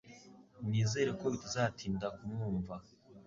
Nizere ko bitazatinda kumwumva